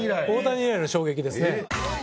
大谷以来の衝撃ですね。